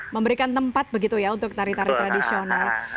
memberikan tempat begitu ya untuk tari tari tradisional